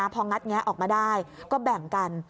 พองัดแงะออกมาได้ก็แบ่งกัน